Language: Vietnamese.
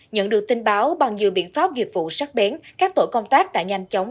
nhận được tin báo bằng dự biện pháp nghiệp vụ sát bén các tổ công tác đã nhanh chóng